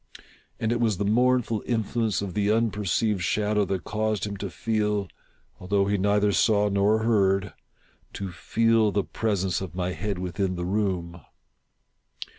And it was the mournful influence of the unperceived shadow that caused him to feel — although he neither saw nor heard — to feci the presence of my head within the room.